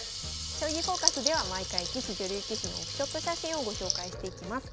「将棋フォーカス」では毎回棋士女流棋士のオフショット写真をご紹介していきます。